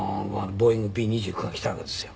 ボーイングＢ−２９が来たわけですよ。